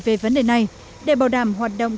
về vấn đề này để bảo đảm hoạt động